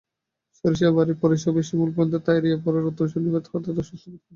সরিষাবাড়ী পৌরসভার শিমলাপল্লী তাড়িয়াপাড়ার রতন শনিবার রাতে হঠাৎই অসুস্থ বোধ করে।